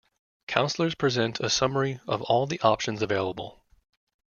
Counselors present a summary of all the options available.